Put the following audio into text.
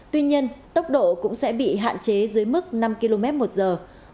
tuy nhiên tốc độ cũng sẽ bị hạn chế dưới mức năm km một giờ